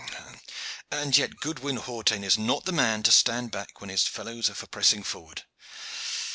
And yet Goodwin Hawtayne is not the man to stand back when his fellows are for pressing forward.